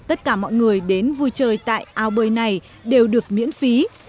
tất cả mọi người đến vui chơi tại ao bơi này đều được miễn phí